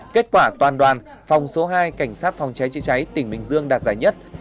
kết quả toàn đoàn phòng số hai cảnh sát phòng cháy chữa cháy tỉnh bình dương đạt giải nhất